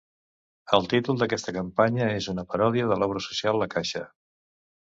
El títol d'aquesta campanya és una paròdia de l'Obra Social La Caixa.